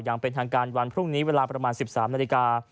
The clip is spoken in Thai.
อย่างเป็นทางการวันพรุ่งนี้เวลาประมาณ๑๓นาฬิกา